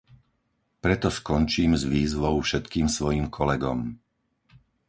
Preto skončím s výzvou všetkým svojim kolegom.